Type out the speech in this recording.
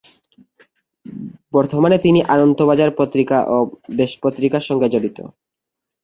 বর্তমানে তিনি আনন্দবাজার পত্রিকা ও দেশ পত্রিকার সঙ্গে জড়িত।